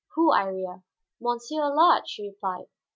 "Who, Iría?" "Monsieur Allard," she replied.